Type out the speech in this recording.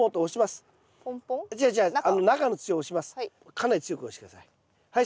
かなり強く押して下さい。